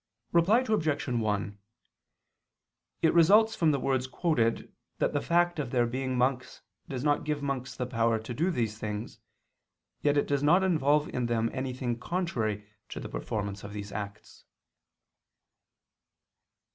Reply Obj. 1: It results from the words quoted that the fact of their being monks does not give monks the power to do these things, yet it does not involve in them anything contrary to the performance of these acts.